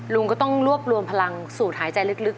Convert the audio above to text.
ลุงก็ต้องรวบรวมพลังสูตรหายใจลึก